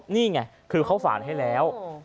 นี่ไงคือเขาสารให้แล้ว